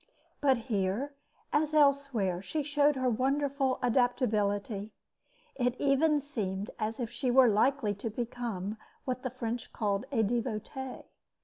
But, here, as elsewhere, she showed her wonderful adaptability. It even seemed as if she were likely to become what the French call a devote.